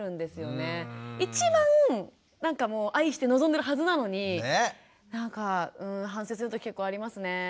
一番なんかもう愛して望んでるはずなのになんかうん反省する時結構ありますね。